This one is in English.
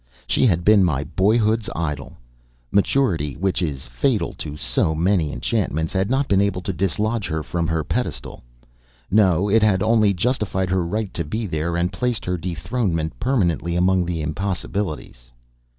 She had been my boyhood's idol; maturity, which is fatal to so many enchantments, had not been able to dislodge her from her pedestal; no, it had only justified her right to be there, and placed her dethronement permanently among the impossibilities.